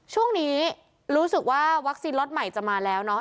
ช่วงนี้รู้สึกว่าวัคซีนล็อตใหม่จะมาแล้วเนาะ